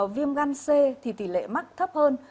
viêm gan c thì tỷ lệ mắc thấp hơn